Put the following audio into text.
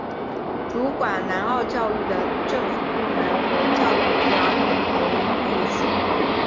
主管南澳教育的政府部门为教育及儿童培育署。